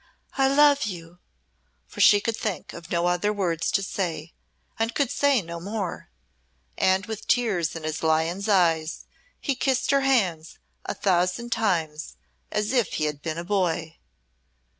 "I love you," for she could think of no other words to say, and could say no more. And with tears in his lion's eyes he kissed her hands a thousand times as if he had been a boy.